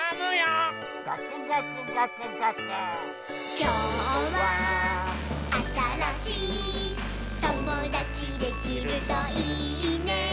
「きょうはあたらしいともだちできるといいね」